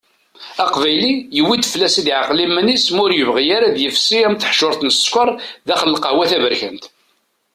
Aqbayli, tuwi-d fell-as ad yeɛqel iman-is ma ur yebɣi ara ad yefsi am teḥjurt n ssekker daxel lqahwa taberkant.